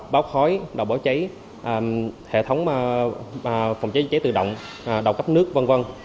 báo khói đầu bỏ cháy hệ thống phòng cháy dưới cháy tự động đầu cấp nước v v